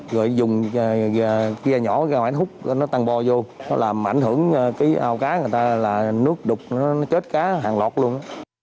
rồi dùng cái gà nhỏ cái gà ngoại hút nó tăng bò vô nó làm ảnh hưởng cái ao cá người ta là nước đục nó chết cá hàng lọt luôn